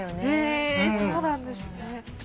へえそうなんですね。